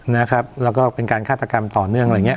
แล้วก็เป็นการฆาตกรรมต่อเนื่องอะไรอย่างเงี้